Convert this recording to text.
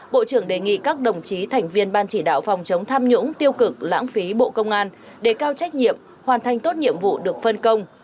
bộ trưởng đề nghị các đồng chí thành viên ban chỉ đạo phòng chống tham nhũng tiêu cực lãng phí bộ công an đề cao trách nhiệm hoàn thành tốt nhiệm vụ được phân công